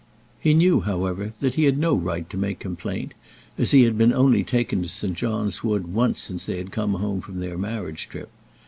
He knew, however, that he had no right to make complaint, as he had been only taken to St. John's Wood once since they had come home from their marriage trip.